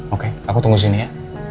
oke aku tunggu sini ya